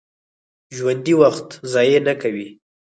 ژوندي وخت ضایع نه کوي